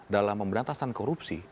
dalam pemberantasan korupsi